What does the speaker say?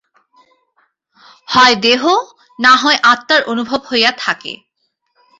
হয় দেহ, না হয় আত্মার অনুভব হইয়া থাকে।